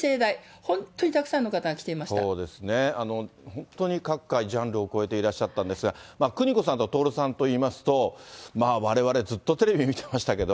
本当に各界、ジャンルをこえていらっしゃったんですが、邦子さんと徹さんといいますと、われわれずっとテレビで見てましたけど。